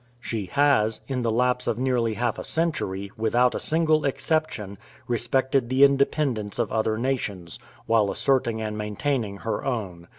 She has, in the lapse of nearly half a century, without a single exception, respected the independence of other nations, while asserting and maintaining her own.